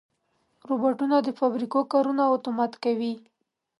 روبوټونه د فابریکو کارونه اتومات کوي.